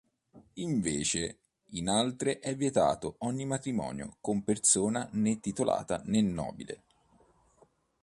Invece in altre è vietato ogni matrimonio con persona né titolata né nobile.